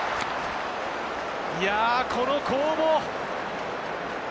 この攻防。